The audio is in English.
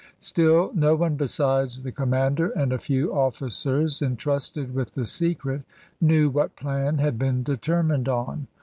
Still, no one besides the commander and a few officers entrusted with the secret knew what plan had been determined on.